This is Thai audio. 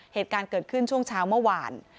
เหตุการณ์เกิดขึ้นช่วงเช้าเมื่อวาน